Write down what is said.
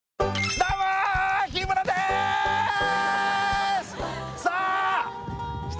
どうも日村でーすさあ